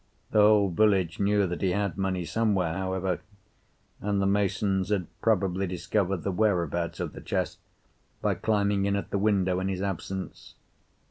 The whole village knew that he had money somewhere, however, and the masons had probably discovered the whereabouts of the chest by climbing in at the window in his absence.